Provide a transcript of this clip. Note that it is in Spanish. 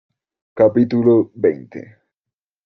capítulo veinte.